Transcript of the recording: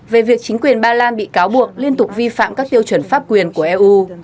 về việc chính quyền ba lan bị cáo buộc liên tục vi phạm các tiêu chuẩn pháp quyền của eu